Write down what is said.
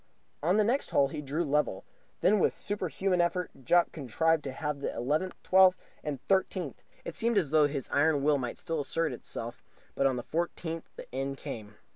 On the next hole he drew level. Then with a superhuman effort Jopp contrived to halve the eleventh, twelfth, and thirteenth. It seemed as though his iron will might still assert itself, but on the fourteenth the end came.